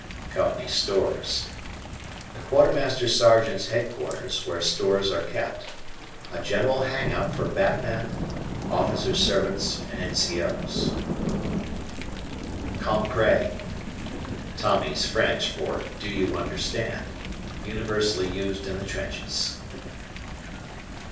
Company Stores. The Quartermaster Sergeant's headquarters where stores are kept. A general hang out for batmen, officers' servants, and N.C.O.'s. "Compray." Tommy's French for "Do you understand?" Universally used in the trenches.